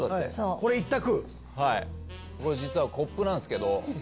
これ実はコップなんすけど。